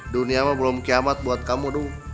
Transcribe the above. dunia mah belum kiamat buat kamu